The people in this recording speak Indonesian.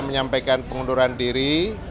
menyampaikan pengunduran diri